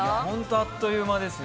あっという間ですね。